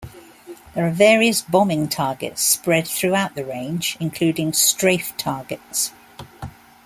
There are various bombing targets spread throughout the range, including strafe targets.